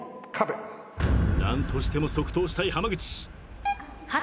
何としても即答したい濱口。